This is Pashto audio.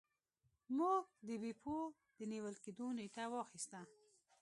موږ د بیپو د نیول کیدو نیټه واخیسته.